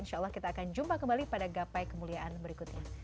insyaallah kita akan jumpa kembali pada gapai kemuliaan berikutnya